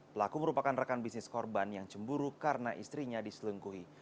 pelaku merupakan rekan bisnis korban yang cemburu karena istrinya diselengkuhi